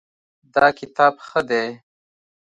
دا کتاب ښه دی